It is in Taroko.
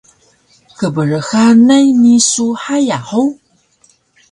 kbrxanay misu haya hug?